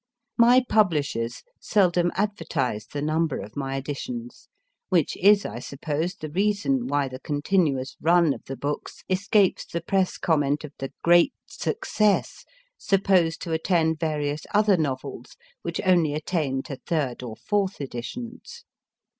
My publishers seldom advertise the number of my editions, which is, I suppose, the reason why the continuous run of the books escapes the Press comment of the great success supposed to attend various other novels which only attain to third or fourth editions.